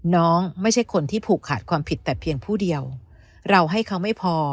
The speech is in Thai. ไม่ใช่คนที่ผูกขาดความผิดแต่เพียงผู้เดียวเราให้เขาไม่พอ